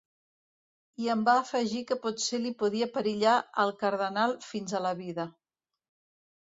I em va afegir que potser li podia perillar al cardenal fins a la vida.